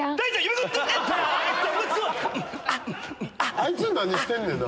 あいつ何してんねんな？